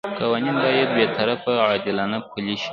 قوانین باید بې طرفه او عادلانه پلي شي.